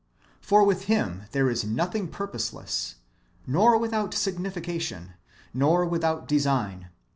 For with Him there is nothing purposeless, nor without signification, nor without design.